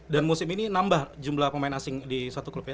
dan musim ini nambah jumlah pemain asing di satu klub ya